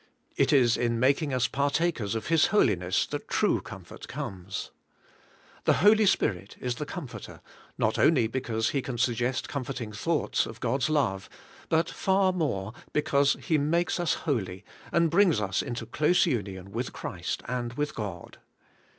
It is in mak ing us partakers of His holiness that true comfort comes. The Holy Spirit is the Comforter, not only because He can suggest comforting thoughts of God's love, but far more, because He makes us holy, and brings us into close union with Christ and with God.